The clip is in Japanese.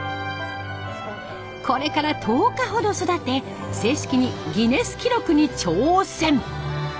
これから１０日ほど育て正式にギネス記録に挑戦！